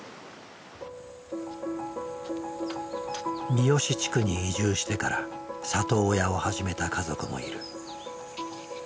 三義地区に移住してから里親を始めた家族もいる。